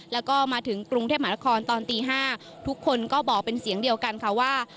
แล้วก็มาถึงกรุงเทพมหานครตอนตี๕ทุกคนก็บอกเป็นเสียงเดียวกันค่ะว่า